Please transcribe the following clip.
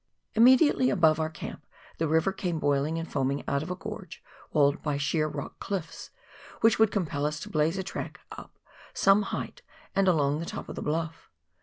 Immediately above our camp the river came boiling and foaming out of a gorge, walled by sheer rock cliffs, which would compel us to blaze a track up some height and along the top of the bluff.